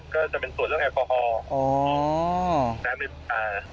ก็จะเป็นสวดเรื่องแอลกอฮอล์